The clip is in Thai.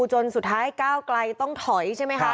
จนสุดท้ายก้าวไกลต้องถอยใช่ไหมคะ